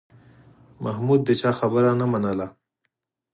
محمود د چا خبره نه منله